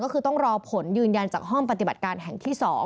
ก็คือต้องรอผลยืนยันจากห้องปฏิบัติการแห่งที่๒